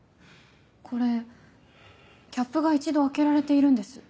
これキャップが一度開けられているんです。